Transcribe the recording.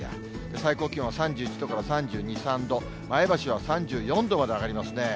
最高気温は３１度から３２、３度、前橋は３４度まで上がりますね。